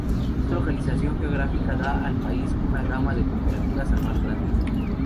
Esta localización geográfica da al país una gama de temperaturas anual grandes.